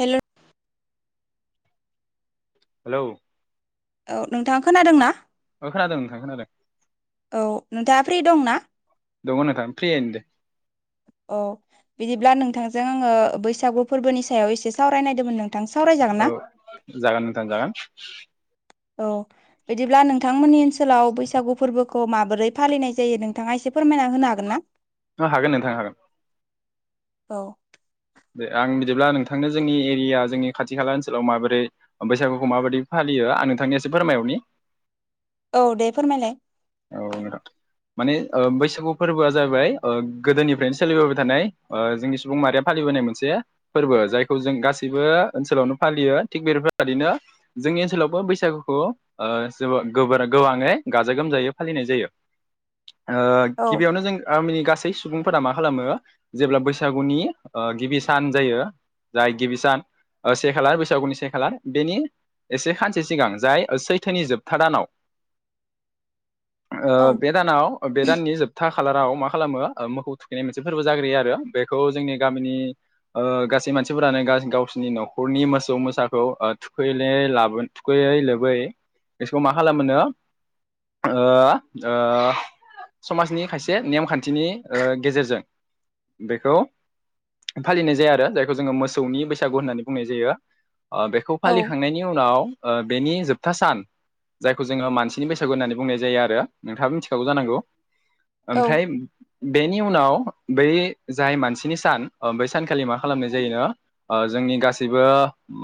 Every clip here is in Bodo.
हेलौ हेलौ औ नोंथाङा खोनादों नना औ खोनादों नोंथां खोनादों औ नोंथाङा फ्रि दं ना दङ‌ नोंथां फ्रियैनो दे अ बिदिब्ला नोंथांजों आङो बैसागु फोरबोनि सायाव एसे सावरायनायदोंमोन नों औ जागोन नोंथां जागोन औ। बिदिब्ला नोंथांमोननि ओनसोलाव बैसागु फोरबोखौ माबोरै फालिनाय जायो नोंथाङा एसे फोरमायना होनो हागोन ना? हागोन नोंथां हागोन । औ। दे आं बिदिब्ला नोंथांनो जोंनि एरिया जोंनि खाथि खाला ओनसोलाव माबोरै बैसागुखौ माबोरै फालियो। आं नोंथांनो इसे फोरमायहरनि। औ दे फोरमायलाय। औ माने ओ बैसागु फोरबोआ जाबाय ओ गोदोनिफ्रायनो सोलिबोबाय थानाय ओ जोंनि सुबुं माहारिया फा लिबोनाय मोनसे फोरबो जायखौ जों गासैबो ओनसोलावनो फालियो थिग बेरफोरबायदिनो जों नि ओनसोलावबो बैसागुखौ ओ जोबोर गोबोर गोबाङै गाजा गोमजायै फालिनाय जायो। ओ औ गिबियावनो जों आमिनि गास सै सुबुंफोरा मा खालामो जेब्ला बैसागुनि गिबि सान जायो। जाय गिबि सान ओ से खालार बैसागुनि से खालार बेनि एसे खानसे सिगां जाय ओ सैथोनि जोबथा दानाव [inaudible] औ ओ बे दानाव बे दाननि जोबथा खालाराव मा खालामो ओ मोखौ थुखैनाय मोनसे फोरबो जाग्रोयो आरो बेखौ जोंनि गामिनि ओ गासै मानसिफोरानो गा गावसिनि न'खरनि मोसौ मोसाखौ ओ थुखैैले लाबो थुखैयै लोबै बेसखौ मा खालामोनो ओ ओ समाजनि खायसे नेमखान्थिनि ओ गेजेरजों बेखौ फालिनाय जाया आरो जायखौ जोङो मोसौनि बैसागु होननानै बुंनाय जायो। ओ बेखौ औ फालिखांनायनि उनाव ओ बेनि जोबथा सान जायखौ जोङो मानसिनि बैसागु होननानै बुंनाय जायो आरो। नोंथाङाबो मिथिखागौ जानांगौ ओमफ्राय बेनि उनाव बै जाय मानसिनि सान ओ बै सानखालि मा खालामनाय जायोनो ओ जोंनि गासैबो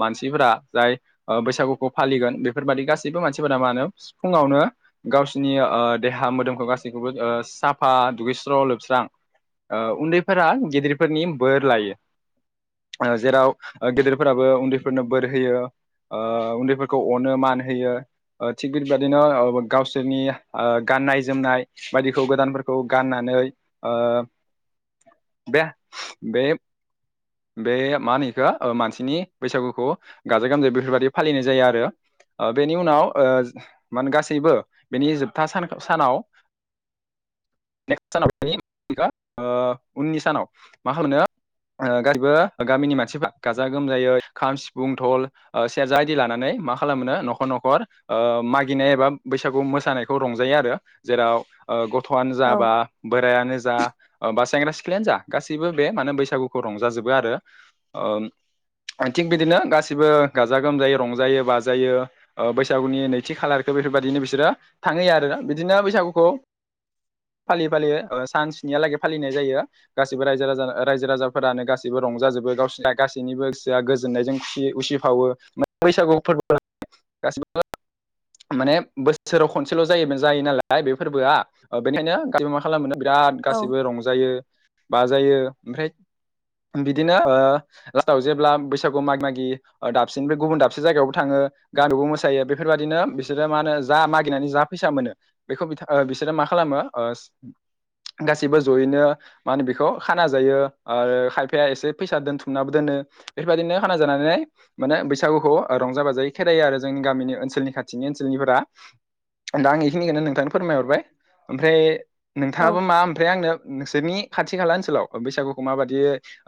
मानसिफोरा जाय ओ बैसागुखौ फालिगोन बेफोरबादि गासैबो मानसिफोरा मा नो सिफुङावनो गावसिनि ओ देहा मोदोमखौ गासैखौबो ओ साफा दुगैस्र' लोबस्रां ओ उन्दैफोरा गेदिरफोरनि बोर लायो। ओ जेराव ओ गेदेरफोराबो उन्दैफोरनो बोर होयो। ओ उन्दैफोरखौ अनो मान होयो थिग बिरबदिनो ओ गावसोरनि ओ गाननाय जोमनाय बायदिखौ गोदानफोरखौ गाननानै ओ [inaudible] बे बे बे मा होनो इखो ओ मानसिनि बैसागुखौ गाजा गोमजाय बेफोरबायदि फालिनाय जायो आरो। ओ बेनि उनाव ओ मान गासैबो बेनि जोबथा सान सानाव [unintelligible] ओ सानाव उननि सानाव मा खालामो [unintelligible] ओ [unintelligible] गामिनि मानसिफोर गाजा गोमजायै खाम, सिफुं, धल ओ सेरजा इदि लानानै मा खालामो न'खर न'खर ओ मागिनाय एबा बैसागु मोसानायखौ रंजायो आरो जेराव ओ ग थ'आनो जा औ बा बोरायानो जा ओ बास सेंग्रा सिख्लायानो जा गासैबो बे मानो बैसागुखौ रंजाजोबो आरो ओम ओ थिग बिदिनो गासिबो गाजा गोमजायै रंजायो बाजायो ओ बैसागुनि नैथि खालारखौ बेफोरबा दिनो बिसोरो थांहोयो आरो ना बिदिनो बैसागुखौ फालियै फालियै ओ सान स्नियालागै फालिनाय जायो। गासिबो रायजो राजा रायजो राजाफोरानो गासिबो रंजाजोबो गावसोना गासैनिबो गोसोआ गोजोननायजों खुसि उसिफावो [unintelligible] बैसागु फोरबो [inaudible] माने। बोसोराव खनसेल' जायो जायो नालाय बे फोरबोआ बेनिखायनो [unintelligible] खालामो [unintelligible] बिराद औ गासैबो रंजायो बाजायो ओमफ्राय बिदिनो ओ लास्टआव जेब्ला बैसागु मागि मागि दाबसे निफ्राय गुबुन दाबसे जायगायावबो थाङो। गामियावबो मोसायो बेफोरबादिनो बिसोरो मा होनो जा मागिनानै जा फैसा मोनो बेखौ बिसोरो मा खालामो ओ गासैबो जयैनो मा होनो बेखौ खाना जायो आरो खायफाया एसे फैसा दोनथुमनाबो दोनो बेफोरबायदिनो खाना जानानै माने बैसागुखौ रंजा बाजायै खेदायो आरो जोंनि गामिनि ओनसोलनि खाथि सिंनि ओनसोलनिफोरा। दा आं इखिनिखोनो नोंथांनो फोरमायहरबाय ओमफ्राय औ नोंथाङाबो मा ओमफ्राय आंनो नोंसोरनि खाथि खाला ओनसोलाव बैसागुखौ माबायदि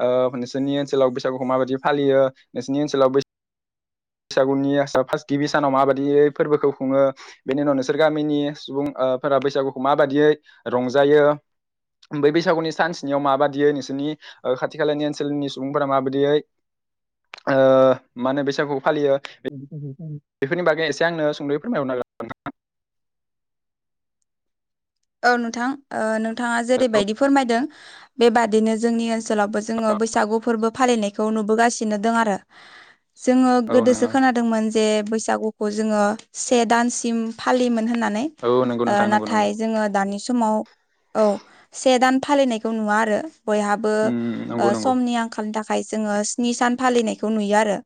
ओ नोंसोरनि ओनसोलाव बैसागुखौ माबायदि फालियो। ओ नोंसोरनि ओनसोलाव बै [inaudible] सागुनि फार्स्ट गिबि सानाव माबायदि फोरबोखौ खुङो बेनि उनाव नोंसोर गामिनि सुबुं। फोरा बैसागुखौ माबादियै रंजायो। बै बैसागुनि सान स्नियाव माबादियै नोंसोरनि खाथि खालानि ओनसोलनि सुबुंफोरा माबादियै। ओ मा होनो बैसागु फालियो बेफोरनि बागै एसे आंनो सुंद'यै। फोरमायहरनो हागोन नामा। औ नोंथां ओ। नोंथाङा जेरैबायदि फोरमायदों बेबादिनो जोंनि ओनसोलावबो जोङो बैसागु फोरबो फालिनायखौ नुबोगासिनो दं आरो। जोङो हागोन औ गोदोसो नोंगौ खोनादोंमोन जे बै सागुखौ जोङो से दानसिम फालियोमोन होननानै औ नंगौ ओ नोंथां नंगौ नंगौ नाथाय। जोङो दानि समाव औ से दान फालिनायखौ नुवा आरो। बयहाबो उम ओ नंगौ नंगौ समनि आंखालनि थाखाय जोङो स्नि सान फालिनायखौ नुयो आरो।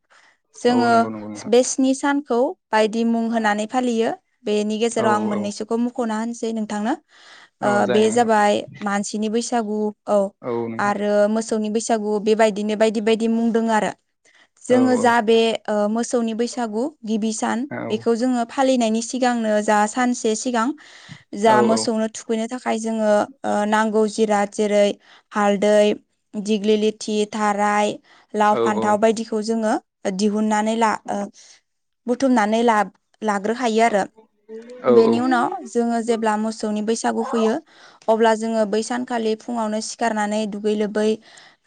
औ जोङो नंगौ नंगौ नोंथां बे स्नि सानखौ बायदि मुं होनानै फालियो। बेनि औ गेजेराव आं औ मोननैसोखौ मुख'ना होनोसै नोंथांनो। औ ओ बे जागोन नोंथां जाबाय मानसिनि बैसागु औ आरो मो सौनि बैसागु बेबायदिनो बायदि बायदि मुं दों आरो। औ जोङो जा बे ओ मोसौनि बैसागु गिबि सान औ बेखौ जोङो। फालिनायनि सिगांनो जा सानसे सिगां। जा औ औ मोसौनो थुखैनो थाक खाय जोङो नांगौ जिराद जेरै हालदै दिग्लिलिथि थाराय। लाव औ फान्थाव बायदिखौ जोङो। दिहुननानै ला ओ बुथुमनानै ला लाग्रो खायो आरो औ बेनि उनाव जोङो। जेब्ला मोसौनि बैसागु फैयो अब्ला जोङो बै सानखालि फुङावनो सिखारनानै दुगै लोबै।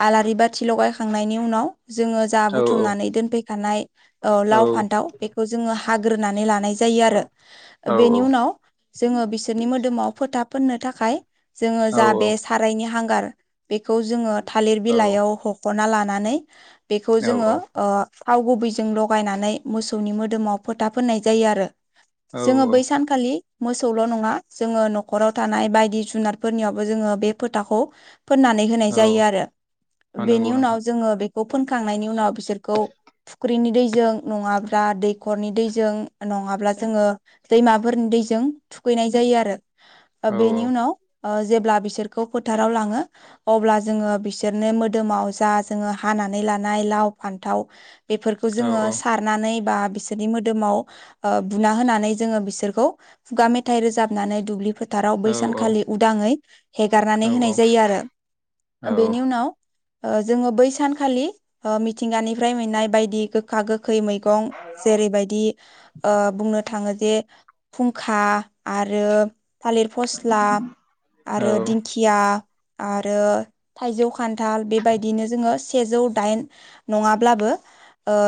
आलारि बाथि लगायखांनायनि उनाव। जोङो जा बुथुमनानै दोनफैखानाय ओ लाव फान्थाव बेखौ जोङो। हाग्रोनानै लानाय जायो आरो बेनि उनाव जोङो बिसोरनि मोदोमाव फो था फोननो थाखाय जोङो जा बे सारायनि हांगार बेखौ जोङो। थालिर बिलाइयाव हख'ना लानानै बेखौ जोङो ओ। थाव गुबैजों लगायनानै मोसौनि मोदोमाव फोथा फोननाय जायो आरो। औ औ जोङो बै सानखालि। मोसौल' नङा जोङो न'खराव थानाय बायदि जुनारफोरनियावबो जोङो बे फोथाखौ। फोननानै होनाय औ जायो आरो औ नंगौ बेनि उनाव नोंथां जोङो बेखौ फोनखांनायनि उनाव बिसोरखौ। फुख्रिनि दैजों नङाब्ला दैखरनि दैजों नङाब्ला जोङो दैमाफोरनि दैजों। थुखैनाय जायो आरो औ बेनि उनाव। ओ जेब्ला बिसोरखौ फोथाराव लाङो अब्ला जोङो बिसोरनो मोदोमाव जा जोङो हा नानै लानाय लाव फान्थाव बिफोरखौ औ जोङो औ सारनानै बा। बिसोरनि मोदोमाव बुना होनानै जोङो बिसोरखौ खुगा मेथाइ रोजाबनानै दुब्लि। फोथाराव औ बैसानखालि उदाङै हेगारनानै होनाय औ जायो आरो बेनि उनाव जोङो बै सानखालि मिथिंगानिफ्राय मोननाय बायदि गोखा गोखा गोखै मैगं जेरैबायदि बुंनो थाङो जे खा आरो थालिर फस्ला औ आरो औ दिंखिया। आरो थाइजौ खान्थाल बेबायदिनो जोङो सेजौ दाइन नङाब्लाबो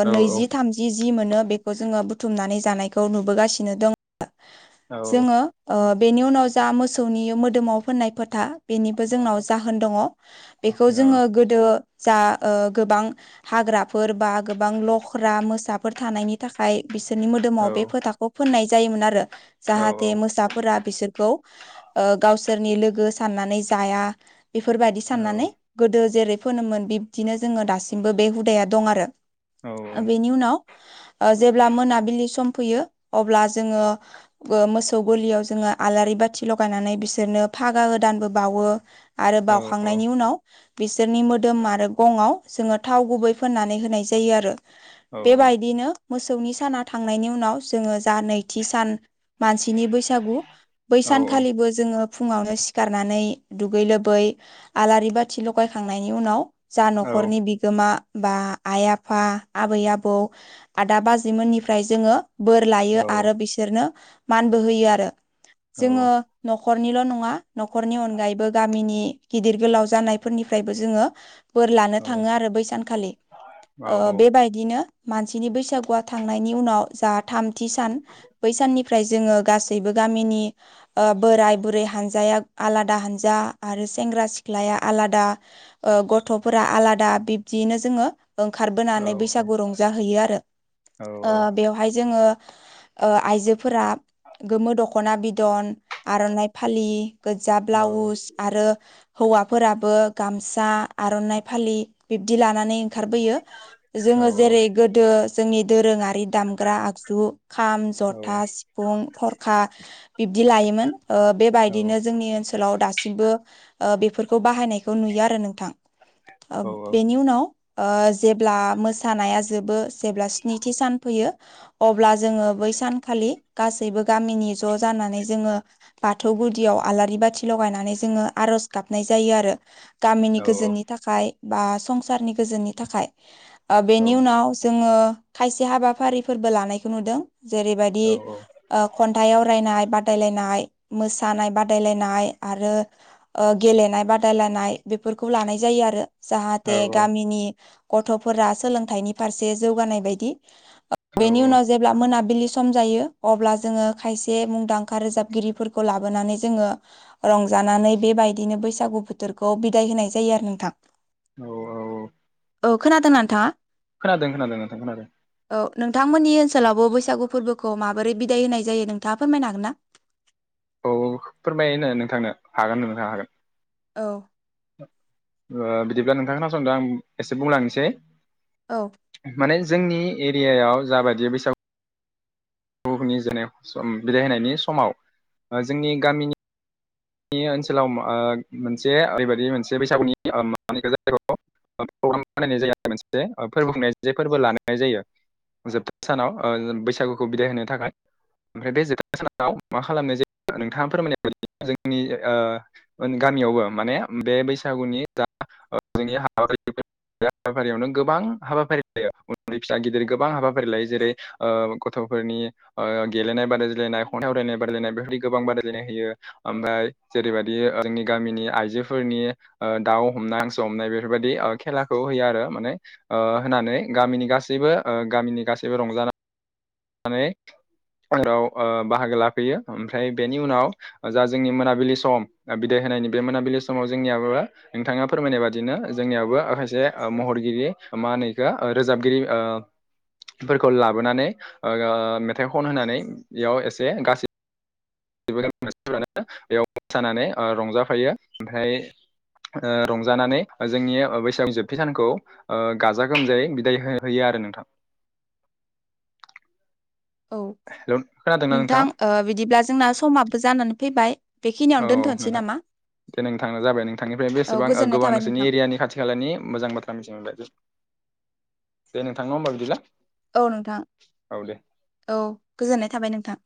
औ नैजि थामजि जि मोनो बेखौ जोङो बुथुमनानै जानायखौ नुबोगासिनो दङ। जोङो ओब बेनि उनाव जा मोसौनि मोदोमाव फोननाय फोथा बेनिबो जोंनाव जाहोन दङ। बेखौ जोङो गोदो जा गोबां हाग्राफोर बा गोबां लख्रा मोसाफोर थानायनि थाखाय बिसोरनि मोदोमाव बे फोथाखौ फोननाय जायोमोन आरो जाहाथे मोसाफोरा बिसोरखौ गावसोरनि लोगो साननानै जा या बेफोरबायदि साननानै गोदो जेरै फोनोमोन बिबदिनो जोङो दासिमबो बे हुदाया दं आरो बेनि उनाव जेब्ला मोनाबिलिनि सम फैयो अब्ला जोङो मोसौ गोलियाव जोङो आलारि बाथि लगायनानै बिसोरनो फागा होदानबो बावो आरो बावउखांनायनि उनाव बिसोरनि मोदोम आरो गंआव जोङो थाव गुबै फोननानै होनाय जायो आरो बेबायदिनो मोसौनि साना थांनायनि उनाव जोङो जा नैथि सान मानसिनि बैसागु बै सानखालिबो जोङो फुङावनो सिखारनानै दुगै लोबै आलारि बाथि लगायखांनायनि उनाव जा न'खरनि बिगोमा बा आइ आफा आबै आबौ आदा बाजिमोननिफ्राय जोङो बोर लायो आरो बिसोरनो मानबो होयो आरो जोङो न'खरनिल' नङा न'खरनि अनगायैबो गामिनि गिदिर गोलाव जानायफोरनिफ्रायबो जोङो बोर लानो थाङो आरो बैसानखालि बेबायदिनो मानसिनि बैसागुआ थांनायनि उनाव जा थामथि सान बै साननि जोंङो गासैबो गामानि बोराइ बुरै हानजाया आलादा हानजा सेंग्रा सिख्लाया आलादा गथ'फोरा आलादा बिब्दियैनो जोङो ओंखारबोनानै बैसागु रंजाहैयो आरो बेवहाय जोङो आइजोफोरा गोमो दख'ना बिदन आर'नाइ फालि गोजा ब्लाउस आरो हौवा फोराबो गामसा आर'नाइ फालि बिब्दि लानानै ओंखारबोयो औ जोङो औ जेरै गोदो जोंनि दोरोङारि दामग्रा आगजु खाम जथा सिफुं थरखा बिबदि लायोमोन बेबायदिनो जोंनि ओन सोलाव दासिमबो बेफोरखौ बाहायनायखौ नुयो आरो नोंथां खोनादों बेनि उनाव जेब्ला मोसानाया जोबो जेब्ला स्निथि सान फैयो अब्ला जोङो बै सान खालि गासैबो गामिनि ज' जानानै जोङो बाथौ गुदियाव आलारि बाथि लगायनानै जोङो आरज गाबनाय जायो आरो गामिनि गोजोननि थाखाय बा संसारनि गोजोननि थाखाय बेनि उनाव जोङो खायसे हाबाफारिफोरबो लानायखौ नुदों जेरैबायदि खन्थाइ आवरायनाय बादायलायनाय मोसानाय बादायलायनाय आरो गेलेनाय बादायलायनाय बेफोरखौ लानाय जायो आरो जाहाथे गामिनि गथ'फोरा सोलोंथाइनि फारसे जौगानाय बायदि बेनि उनाव जेब्ला मोनाबिलि सम जायो अब्ला जोङो खायसे मुंदांखा रोजाबगिरिफोरखौ लाबोनानै जोङो रंजा लानानै बेबायदिनो बैसागु बोथोरखौ बिदाय होनाय जायो आरो नोंथां औ औ औ औ खोनादों ना नोंथाङा? खोनादों खोनादों नोंथां खोनादों। औ नोंथांमोननि ओनसोलावबो बैसागु फोरबो खौ माबोरै बिदाय होनाय जायो नोंथाङा फोरमायनो हागोन ना? औ औ फोरमायनो नोंथांनो हागोन नोंथां हागोन। औ ओ बिदिब्ला नोंथां खोनासंदो आं एसे बुंलांनोसै औ माने जोंनि एरियायाव जाबायदि बैसागु हुहोनि जेने बिदाय होनायनि समाव जोंनि गामिनि जोंनि ओनसोलाव ओ मोनसे ओरैबायदि मोनसे बैसागुनि मा होनो इखो जायखो ओ प्रग्राम बानायनाय जायो आरो मोनसे फोरबो खुंनाय जे फोरबो लानाय जायो। जोबथा सानाव ओ बैसागुखौ बिदाय होनो थाखाय ओमफ्राय बे जोबथा सानाव मा खालामनाय जायो नोंथाङा फोरमायनाय बायदि जोंनि ओ गामियावबो माने बे बैसागुनि जा ओ जोंनि हाबाफारियावनो गोबां हाबाफारि जायो उन्दै फिसा दा गिदिर गोबां हाबाफारि लायो जेरै ओ गथ'फोरनि ओ गेलेनाय बादायज्लायनाय खन्थाइ आरायनाय बादायलायनाय बेफोरबायदि गोबां बादायलायनाय होयो। ओमफाय जेरैबायदि ओ जोंनि गामिनि आइजोफोरनि ओ दाउ हमनाय हांसो हमनाय बेफोरबायदि ओ खेलाखौ होयो आरो माने ओ होनानै गामिनि गासैबो ओ गामिनि गासैबो रंजाना [unintelligible] [inaudible] ओ बाहागो लाफैयो ओमफ्राय बेनि उनाव जा जोंनि मोनाबिलि सम ओ बिदि होनायनि बे मोनाबिलि समाव जोंनियाबो नोंथाङा फोरमायनाय बादिनो जोंनियाबो ओ खायसे ओ महरगिरि मा होनो गो ओ रोजाबगिरि ओ फोरफोरखौ लाबोनानै ओ गो मेथाइ खन होनानै बियाव एसे गासैबो मानसिफोरानो बेयाव मोसानानै ओ रंजाफायो ओमफ्राय ओ रंजानानै जोंनि बैसागनि जोबथे सानखौ ओ गाजा गोमजायै बिदाय हो होयो आरो नोंथां। [unintelligible] [inaudible] औ हेलौ खोनादोंना नोंथां नोंथाङा ओ बिदिब्ला जोंना समाबो जानानै फैबाय। औ बेखिनियावनो दोनथ'नोसै नोंथां नामा? दे नोंथां जाबाय नोंथांनिफ्राय औ बेसेबां ओ गोजोननाय गोबां थाबाय नोंसोरनि नोंथां। एरियानि खाथि खालानि मोजां बाथ्रा मिथिनो मोनबाय। दे नोंथां न' होमबा बिदिब्ला। औ नोंथां औ दे औ गोजोननाय थाबाय नोंथां।